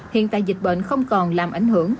hiện tại dịch bệnh không còn làm ảnh hưởng